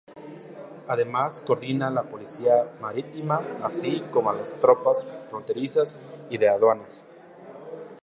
Además coordina la policía marítima así como las tropas fronterizas y de aduanas.